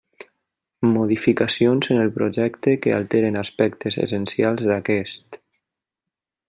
Modificacions en el projecte que alteren aspectes essencials d'aquest.